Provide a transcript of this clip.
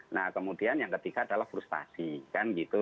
nah kemudian yang ketiga adalah frustasi kan gitu